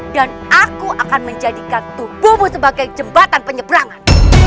dan aku akan menjadikan tubuhmu sebagai jembatan penyeberangan